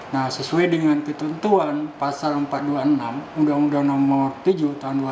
nah sesuai dengan ketentuan pasal empat ratus dua puluh enam undang undang nomor tujuh tahun dua ribu dua